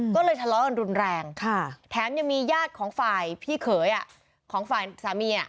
ก็เลยทะเลาะกันรุนแรงแถมยังมีญาติของฝ่ายพี่เขยของฝ่ายสามี